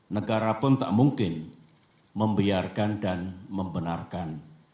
negara pun tak mungkin membiarkan dan membenarkan